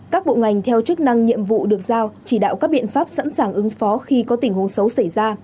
các bộ ngành theo chức năng nhiệm vụ được giao chỉ đạo các biện pháp sẵn sàng ứng phó khi có tình huống xấu xảy ra